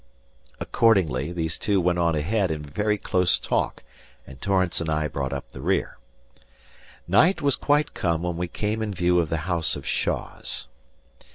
Accordingly these two went on ahead in very close talk, and Torrance and I brought up the rear. Night was quite come when we came in view of the house of Shaws.